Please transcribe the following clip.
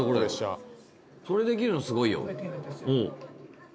それできるのすごいよ